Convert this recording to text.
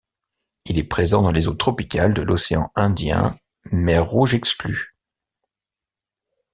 Il est présent dans les eaux tropicales de l'Océan Indien, Mer Rouge exclue.